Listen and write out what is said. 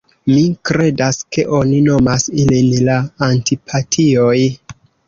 Mi kredas ke oni nomas ilin la Antipatioj."